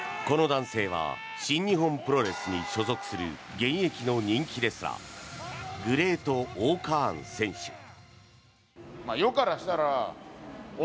この男性は新日本プロレスに所属する現役の人気レスラーグレート−Ｏ−カーン選手。